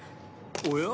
おや？